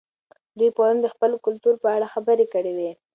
دوی پرون د خپل کلتور په اړه خبرې کړې وې.